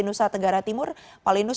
nusa tenggara timur pak linus